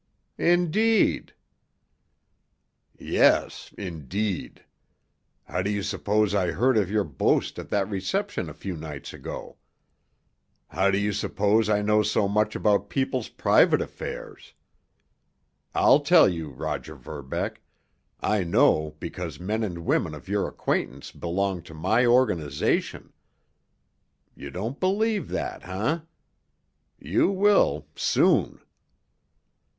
"Indeed?" "Yes—indeed! How do you suppose I heard of your boast at that reception a few nights ago? How do you suppose I know so much about people's private affairs? I'll tell you, Roger Verbeck—I know because men and women of your acquaintance belong to my organization. You don't believe that, eh? You will—soon."